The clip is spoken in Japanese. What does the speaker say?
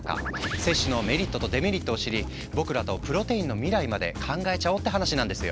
摂取のメリットとデメリットを知り僕らとプロテインの未来まで考えちゃおうって話なんですよ。